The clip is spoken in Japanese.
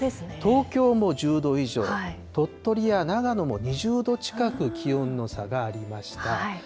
東京も１０度以上、鳥取や長野も２０度近く気温の差がありました。